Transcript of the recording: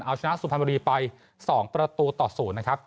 เอาชนะสุพรรณบุรีไป๒ประตูต่อ๐นะครับ